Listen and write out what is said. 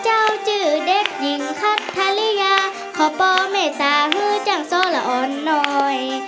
เจ้าจือเด็กยิ่งคัทธาลิยาขอบพ่อเมตตาฮือจังส่อละอ่อนน้อย